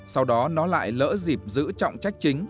sau đó nó lại lỡ dịp giữ trọng trách chính